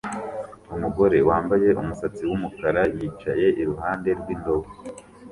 Umugore wambaye umusatsi wumukara yicaye iruhande rwindobo